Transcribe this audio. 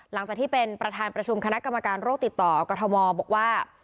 หลังจากที่เป็นประธานประชุมคณะกรรมการโรคติดต่อกรทมบอกว่า